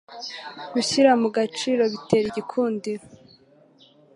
Gushyira mu gaciro bitera igikundiro